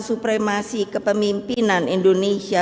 supremasi kepemimpinan indonesia